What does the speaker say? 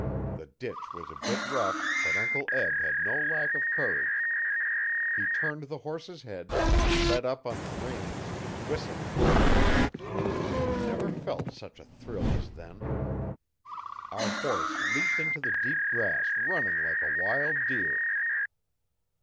The ditch was a bit rough, but Uncle Eb had no lack of courage. He turned the horse's head, let up on the reins and whistled. I have never felt such a thrill as then. Our horse leaped into the deep grass running like a wild deer.